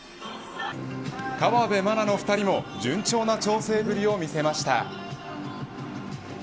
河辺愛菜の２人も順調な調整ぶりを見せました。